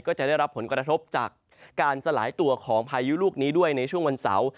จะได้รับผลกระทบจากการสลายตัวของพายุลูกนี้ด้วยในช่วงวันเสาร์